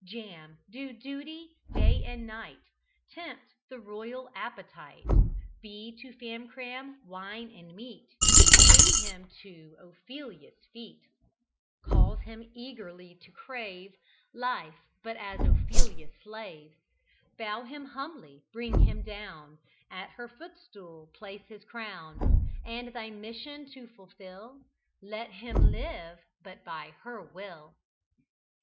Jam! do duty day and night; Tempt the royal appetite Be to Famcram wine and meat, Bring him to Ophelia's feet; Cause him eagerly to crave Life but as Ophelia's slave; Bow him humbly, bring him down, At her footstool place his crown, And, thy mission to fulfil, Let him live but by her will."